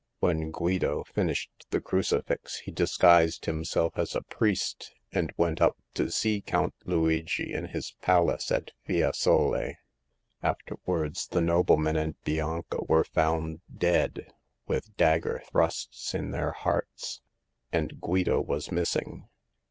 "When Guido finished the crucifix he disguised himself as a priest, and went up to see Count Luigi in his paUc^ ^1 ¥\sj^\r,. Ii6 Hagar of the Pawn Shop. Afterwards the nobleman and Bianca were found dead with dagger thrusts in their hearts, and Guido was missing.